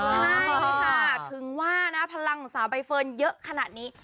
ใช่ค่ะถึงว่านะพลังของสาวใบเฟิร์นเยอะขนาดนี้